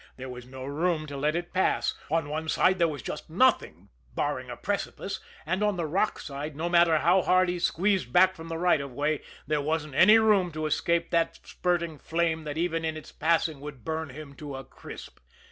There was no room to let it pass on one side was just nothing, barring a precipice; and on the rock side, no matter how hard he squeezed back from the right of way, there wasn't any room to escape that spurting flame that even in its passing would burn him to a crisp.